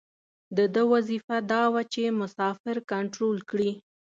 د ده وظیفه دا وه چې مسافر کنترول کړي.